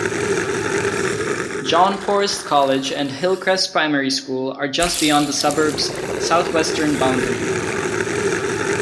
John Forrest College and Hillcrest Primary School are just beyond the suburb's southwestern boundary.